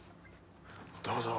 どうぞ。